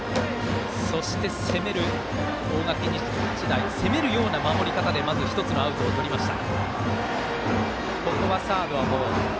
そして、大垣日大攻めるような守り方で１つのアウトをとりました。